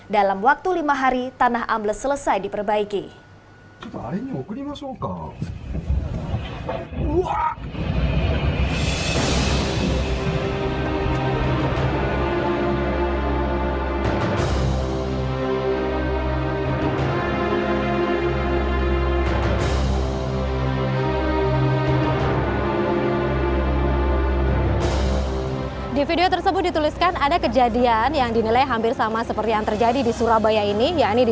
dalam waktu lima hari tanah ambles selesai diperbaiki